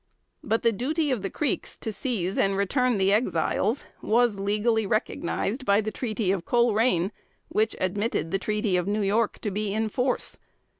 But the duty of the Creeks to seize and return the Exiles was legally recognized by the treaty of Colerain, which admitted the treaty of New York to be in force.